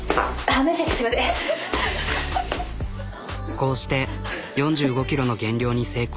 こうして４５ｋｇの減量に成功。